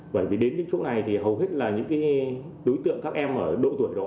bởi vì đến những chỗ này thì hầu hết là những đối tượng các em ở độ tuổi đó